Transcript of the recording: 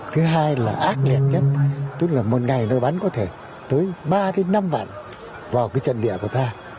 thứ hai là ác liệt nhân tức là một ngày nó bắn có thể tới ba năm vạn vào cái trận địa của ta